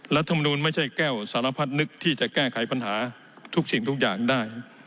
รัฐมนูลไม่ใช่แก้วสารพัดนึกที่จะแก้ไขปัญหาทุกสิ่งทุกอย่างได้